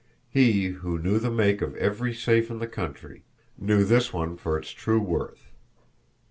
He, who knew the make of every safe in the country, knew this one for its true worth.